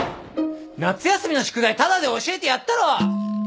・夏休みの宿題タダで教えてやったろ！